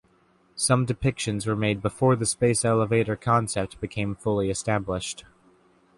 Some depictions were made before the space elevator concept became fully established.